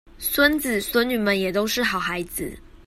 孫子孫女們也都是好孩子